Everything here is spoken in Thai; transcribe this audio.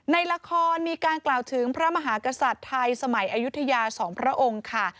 ในละครมีการกล่าวถึงพระมหากษัตริย์ไทยสมัยอายุทยาสองพระองค์ค่ะ